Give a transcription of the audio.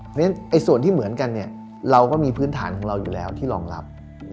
เพราะฉะนั้นส่วนที่เหมือนกันเราก็มีพื้นฐานของเราอยู่แล้วที่รองรับ